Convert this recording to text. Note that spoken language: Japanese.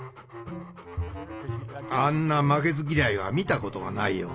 あんな負けず嫌いは見たことがないよ。